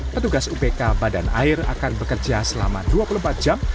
petugas upk badan air akan bekerja selama dua puluh empat jam